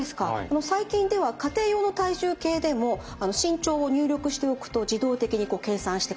最近では家庭用の体重計でも身長を入力しておくと自動的に計算してくれるものもあります。